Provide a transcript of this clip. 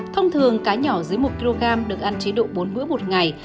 thông thường cá nhỏ dưới một kg được ăn chế độ bốn bữa một ngày